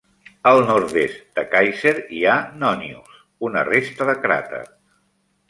Al nord-est de Kaiser hi ha Nonius, una resta de cràter.